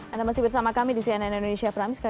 anda masih bersama kami di cnn indonesia pramius